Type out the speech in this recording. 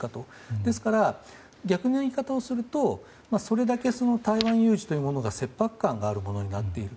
ですから、逆の言い方をするとそれだけ台湾有事というものが切迫感があるものになっている。